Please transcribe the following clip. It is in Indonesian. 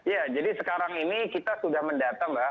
ya jadi sekarang ini kita sudah mendata mbak